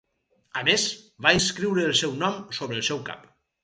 A més, va inscriure el seu nom sobre el seu cap.